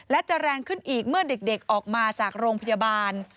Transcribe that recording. และจะแรงขึ้นอีกเมื่อเด็กออกมาจากโรงพยาบาล